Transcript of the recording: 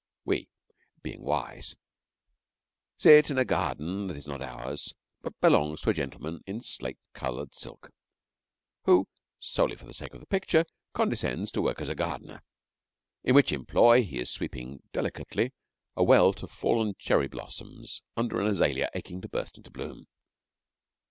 We, being wise, sit in a garden that is not ours, but belongs to a gentleman in slate coloured silk, who, solely for the sake of the picture, condescends to work as a gardener, in which employ he is sweeping delicately a welt of fallen cherry blossoms from under an azalea aching to burst into bloom.